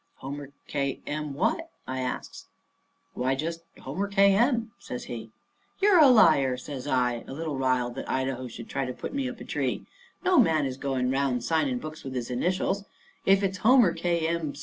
"Homer K. M. what?" I asks. "Why, just Homer K. M.," says he. "You're a liar," says I, a little riled that Idaho should try to put me up a tree. "No man is going 'round signing books with his initials. If it's Homer K. M.